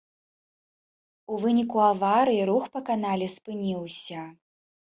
У выніку аварыі рух па канале спыніўся.